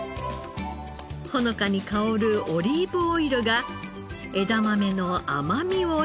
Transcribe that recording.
ほのかに香るオリーブオイルが枝豆の甘みを引き立てます。